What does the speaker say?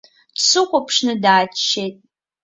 Дсыхәаԥшны дааччеит.